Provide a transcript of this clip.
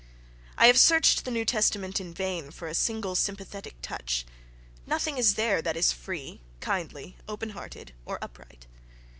—I have searched the New Testament in vain for a single sympathetic touch; nothing is there that is free, kindly, open hearted or upright.